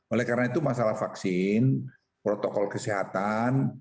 oleh karena itu masalah vaksin protokol kesehatan